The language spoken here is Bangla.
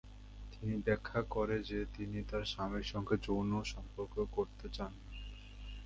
তিনি ব্যাখ্যা করেন যে, তিনি তার স্বামীর সঙ্গে যৌন সম্পর্ক করতে চান না।